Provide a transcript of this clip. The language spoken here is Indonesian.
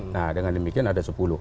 nah dengan demikian ada sepuluh